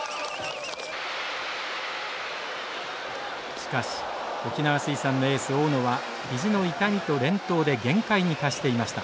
しかし沖縄水産のエース大野は肘の痛みと連投で限界に達していました。